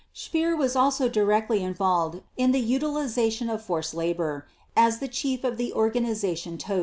Speer was also directly involved in the utilization of forced labor, as Chief of the Organization Todt.